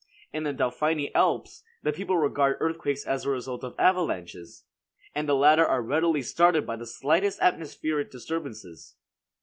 In the Dauphiny Alps, the people regard earthquakes as the result of avalanches; and the latter are readily started by the slightest atmospheric disturbances.